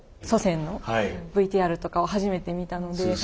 祖先のＶＴＲとかを初めて見たので。